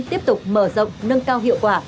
tiếp tục mở rộng nâng cao hiệu quả